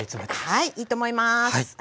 はいいいと思います。